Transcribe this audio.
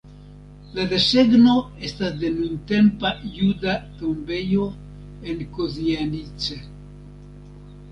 La desegno estas de nuntempa juda tombejo en Kozienice.